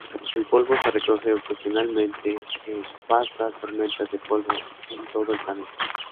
El polvo se recoge ocasionalmente en vastas tormentas de polvo en todo el planeta.